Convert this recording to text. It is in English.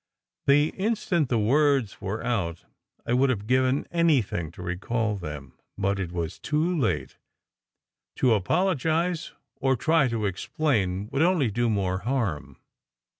The instant the words were out I would have given anything to recall them. But it was too late. To apologize, or try to explain, would only do more harm.